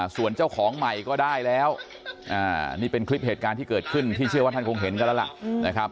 ส่วนเจ้าของใหม่ก็ได้แล้วนี่เป็นคลิปเหตุการณ์ที่เกิดขึ้นที่เชื่อว่าท่านคงเห็นกันแล้วล่ะนะครับ